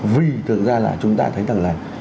vì thực ra là chúng ta thấy rằng là